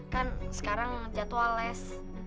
kan sekarang jadwal les